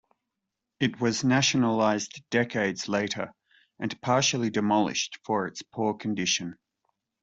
It was nationalized decades later, and partially demolished for its poor condition.